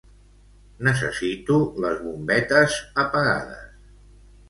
Necessito les bombetes apagades.